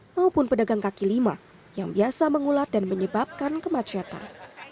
maupun pedagang kaki lima yang biasa mengulat dan menyebabkan kemacetan